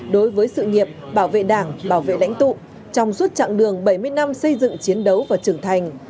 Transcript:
đối với sự nghiệp bảo vệ đảng bảo vệ lãnh tụ trong suốt chặng đường bảy mươi năm xây dựng chiến đấu và trưởng thành